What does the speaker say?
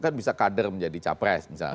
jadi father menjadi capres misalnya